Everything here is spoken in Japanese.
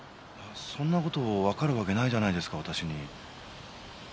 そんな事わかるわけないじゃないですか私に。